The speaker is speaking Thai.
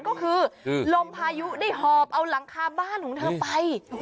ก็คือลมพายุได้หอบเอาหลังคาบ้านของเธอไป